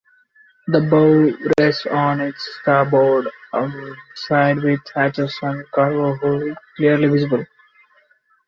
The bow rests on its starboard side with hatches and cargo hold clearly visible.